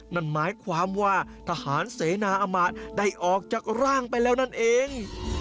นั่นหมายความว่าทหารเสนาอมะได้ออกจากร่างไปแล้วนั่นเอง